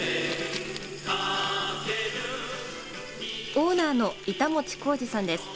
オーナーの板持浩二さんです。